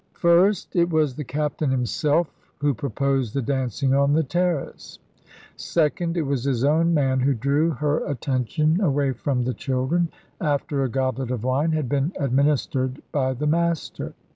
First, it was the Captain himself who proposed the dancing on the terrace. Second, it was his own man who drew her attention away from the children, after a goblet of wine had been administered by the master.